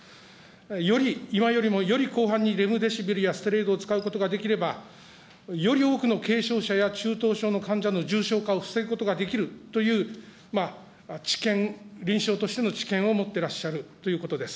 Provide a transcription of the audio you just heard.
より、今よりもより広範にレムデシビルやステロイドを使うことができれば、より多くの軽症者や中等症の患者の重症化を防ぐことができるという、知見、臨床としての知見を持ってらっしゃるということです。